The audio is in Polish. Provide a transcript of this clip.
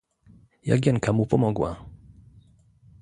"Jagienka mu pomogła."